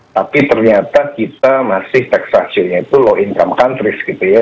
tapi ternyata kita masih taxationnya itu law income countries gitu ya